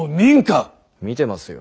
見てますよ。